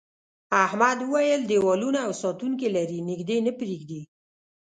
احمد وویل دیوالونه او ساتونکي لري نږدې نه پرېږدي.